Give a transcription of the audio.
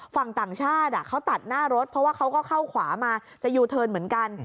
ฝั่งต่างชาติเขาตัดหน้ารถเพราะว่าเขาก็เข้าขวามาจะยูเทิร์นเหมือนกัน